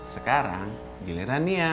sekarang giliran nia